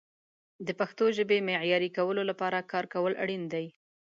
د پښتو ژبې معیاري کولو لپاره کار کول اړین دي.